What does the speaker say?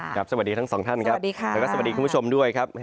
สวัสดีทั้งสองท่านครับและสวัสดีคุณผู้ชมด้วยครับ